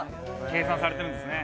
計算されてるんですね。